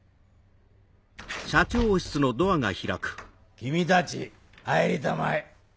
君たち入りたまえ。